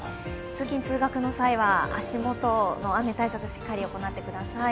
通勤・通学の際は、足元の雨対策、しっかり行ってください。